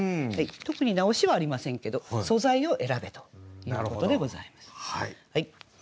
特に直しはありませんけど素材を選べということでございます。